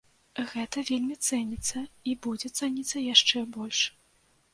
Гэта вельмі цэніцца, і будзе цаніцца яшчэ больш.